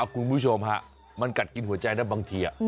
คุณผู้ชมฮะมันกัดกินหัวใจได้บางที